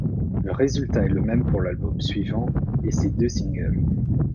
Le résultat est le même pour l'album suivant, et ses deux singles.